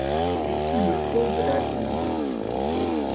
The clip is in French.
Es-tu le fond de l’inconnu ?